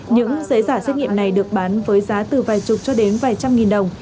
những giấy giả xét nghiệm này được bán với giá từ vài chục cho đến vài trăm nghìn đồng